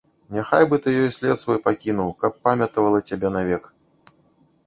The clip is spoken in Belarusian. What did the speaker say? Няхай бы ты ёй след свой пакінуў, каб памятавала цябе навек.